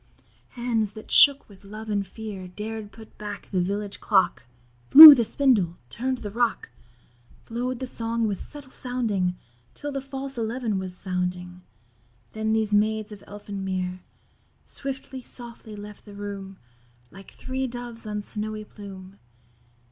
Hands that shook with love and fear Dared put back the village clock, Flew the spindle, turn'd the rock, Flow'd the song with subtle rounding, Till the false 'eleven' was sounding; Then these Maids of Elfin Mere Swiftly, softly, left the room, Like three doves on snowy plume.